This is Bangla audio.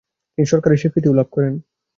তিনি সরকারের স্বীকৃতিও লাভ করেন।